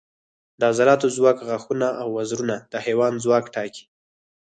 د عضلاتو ځواک، غاښونه او وزرونه د حیوان ځواک ټاکي.